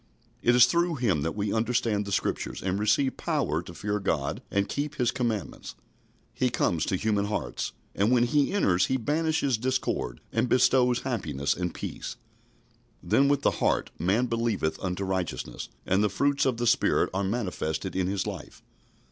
It is through Him that we understand the Scriptures, and receive power to fear God and keep His commandments. He comes to human hearts, and when He enters He banishes discord and bestows happiness and peace. Then with the heart man believeth unto righteousness, and the fruits of the Spirit are manifested in his life.